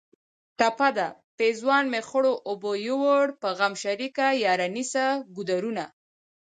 ټپه ده: پېزوان مې خړو اوبو یوړ په غم شریکه یاره نیسه ګودرونه